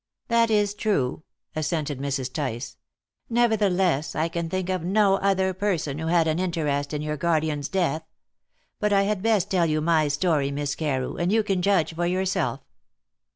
"That is true," assented Mrs. Tice. "Nevertheless, I can think of no other person who had an interest in your guardian's death. But I had best tell you my story, Miss Carew, and you can judge for yourself."